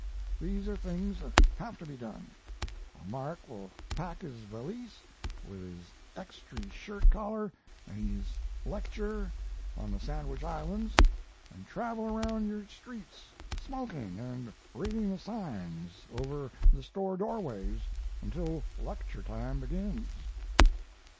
These are things that hav to be done, or Mark will pak hiz valise with hiz extry shirt collar and hiz lektur on the Sandwich Islands, and travel around yure streets, smoking and reading the sighns over the store doorways untill lektur time begins.